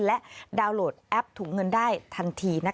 และดาวน์โหลดแอปถุงเงินได้ทันที